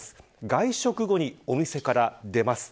外食後にお店から出ます。